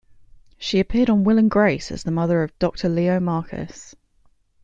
She appeared on "Will and Grace" as the mother of Doctor Leo Markus.